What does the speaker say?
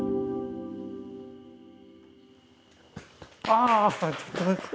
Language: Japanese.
ああ！